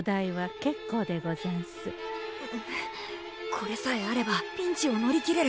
これさえあればピンチを乗り切れる。